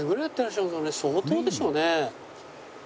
相当でしょうね。